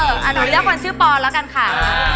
เราเรียกคนชื่อปอนด์แล้วกันค่ะ